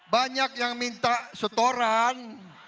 banyak yang minta setoran